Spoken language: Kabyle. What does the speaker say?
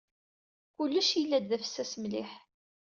Kullec yella-d d afessas mliḥ.